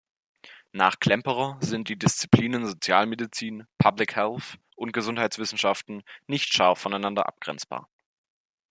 Nach Klemperer sind die Disziplinen Sozialmedizin, Public Health und Gesundheitswissenschaften nicht scharf voneinander abgrenzbar.